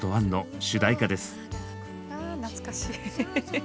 あ懐かしい。